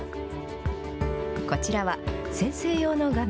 こちらは、先生用の画面。